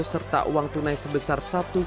serta uang tunai sebesar